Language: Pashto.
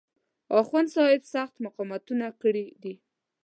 اخوندصاحب سخت مقاومتونه کړي دي.